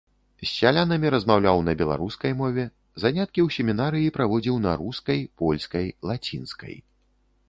З сялянамі размаўляў на беларускай мове, заняткі ў семінарыі праводзіў на рускай, польскай, лацінскай.